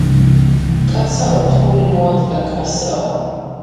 კაცსაო თოვლი მოადგა კარსაო